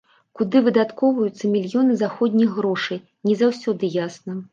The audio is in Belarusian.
Куды выдаткоўваюцца мільёны заходніх грошай, не заўсёды ясна.